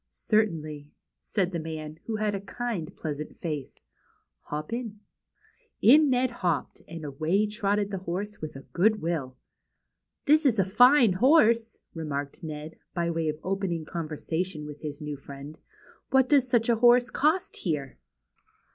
Certainly;" said the man; who had a kind; pleasant face. Hop in." THE FRACTION ROTS. 62 THE CHILDREN'S WONDER BOOK. In Ned hopped, and away trotted the horse with a good will. " This is a fine horse," remarked Ned, by way of open ing conversation with his new friend. " What does such a horse cost here